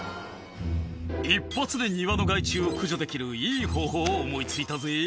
「一発で庭の害虫を駆除できるいい方法を思い付いたぜ」